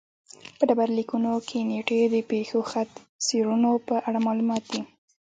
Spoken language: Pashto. په ډبرلیکونو کې نېټې د پېښو خط سیرونو په اړه معلومات دي